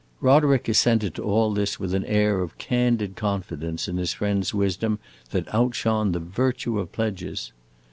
Roderick assented to all this with an air of candid confidence in his friend's wisdom that outshone the virtue of pledges.